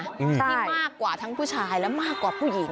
ที่มากกว่าทั้งผู้ชายและมากกว่าผู้หญิง